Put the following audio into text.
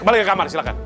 kembali ke kamar silakan